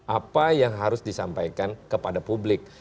apa yang harus disampaikan kepada publik